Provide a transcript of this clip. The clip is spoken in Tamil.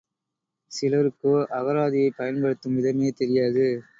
சிலருக்கோ அகராதியைப் பயன்படுத்தும் விதமே தெரியாது.